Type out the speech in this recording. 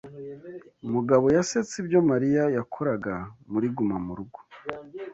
Mugabo yasetse ibyo Mariya yakoraga muri gumamurugo.